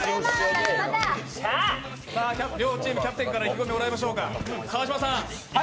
両チームのキャプテンから意気込みをいただきましょうか。